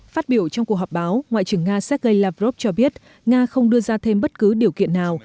phát biểu trong cuộc họp báo ngoại trưởng nga sergei lavrov cho biết nga không đưa ra thêm bất cứ điều kiện nào